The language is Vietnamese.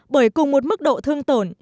bởi cùng một mức độ thương tổn